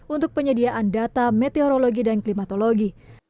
untuk penyediaan data meteorologi dan klimatologi